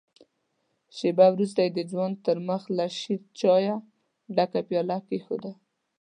شېبه وروسته يې د ځوان تر مخ له شيرچايه ډکه پياله کېښوده.